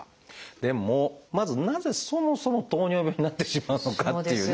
でもまずなぜそもそも糖尿病になってしまうのかっていうね。